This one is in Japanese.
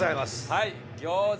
はい餃子。